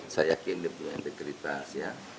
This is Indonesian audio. saya yakin diperlukan integritas